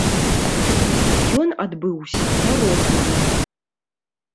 Ён адбыўся па рознаму.